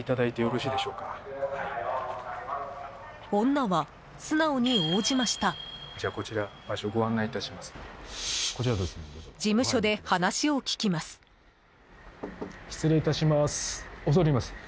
女は素直に応じました。